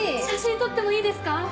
写真撮ってもいいですか？